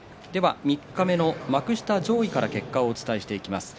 三日目幕下上位からの結果をお伝えしていきます。